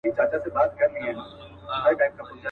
ما سوري كړي د ډبرو دېوالونه.